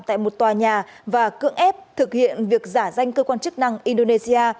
tại một tòa nhà và cưỡng ép thực hiện việc giả danh cơ quan chức năng indonesia